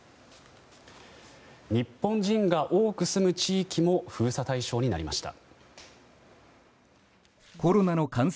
日本人が多く住む地域も封鎖対象になりました。